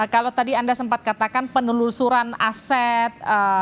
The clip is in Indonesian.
kalau tadi anda sempat katakan penelusuran aset